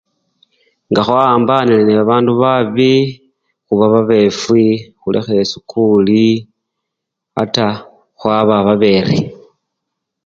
Nga khwawambane nebabandu babi, khuba babefwi, khulekha esikuli ata khwaba baberi.